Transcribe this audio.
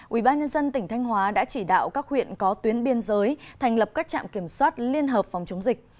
ubnd tỉnh thanh hóa đã chỉ đạo các huyện có tuyến biên giới thành lập các trạm kiểm soát liên hợp phòng chống dịch